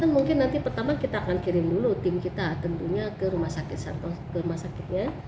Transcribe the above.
mungkin nanti pertama kita akan kirim dulu tim kita tentunya ke rumah sakitnya